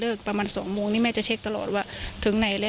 โทรไปถามว่าแม่ช่วยด้วยถูกจับ